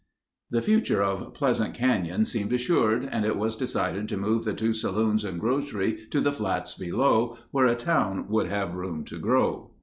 The future of Pleasant Canyon seemed assured and it was decided to move the two saloons and grocery to the flats below, where a town would have room to grow.